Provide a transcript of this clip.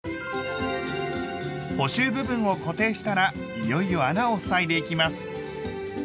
補修部分を固定したらいよいよ穴をふさいでいきます。